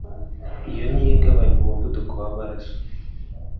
Iyo nryo Igabanya umuvuduko w'amaraso